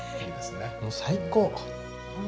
もう最高！